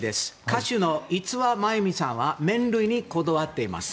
歌手の五輪真弓さんは麺類にこだわっています。